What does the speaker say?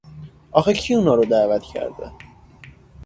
آخه کی اونارو دعوت کرده!